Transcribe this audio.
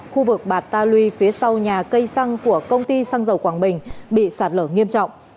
khu vực bạt ta lui phía sau nhà cây xăng của công ty xăng dầu quảng bình bị sạt lở nghiêm trọng